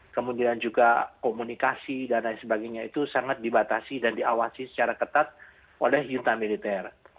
kemudian juga komunikasi dan lain sebagainya itu sangat dibatasi dan diawasi secara ketat oleh yuta militer